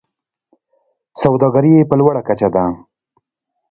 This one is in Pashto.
سوداګري یې په لوړه کچه ده.